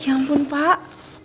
ya ampun pak